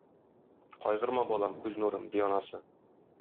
Кайгырма, балам, күз нурым, - ди анасы.